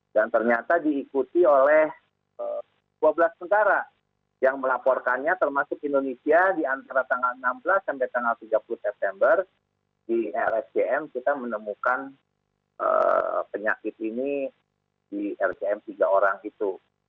dan ternyata diikuti oleh dua belas negara yang melaporkannya termasuk indonesia di antara tanggal enam belas sampai tanggal tiga puluh september di lhcm kita menemukan penyakit ini di lhcm tiga orang itu